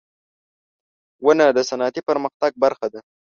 • ونه د صنعتي پرمختګ برخه ده.